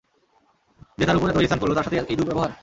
যে তার উপর এতো ইহসান করল তার সাথেই এই দুর্ব্যবহার!